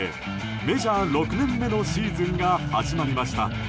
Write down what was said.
メジャー６年目のシーズンが始まりました。